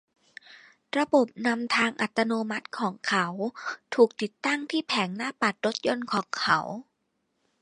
ระบบนำทางอัตโนมัติของเขา ถูกติดตั้งที่แผงหน้าปัดรถยนต์ของเขา